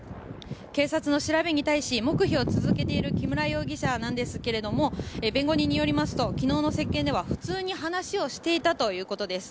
警察の調べに対し黙秘を続けている木村容疑者なんですが弁護人によりますと昨日の接見では普通に話をしていたということです。